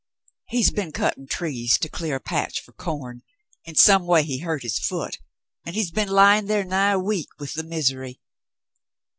*'He's been cutting trees to clear a patch for corn, and some way he hurt his foot, and he's been lying there nigh a week with the misery.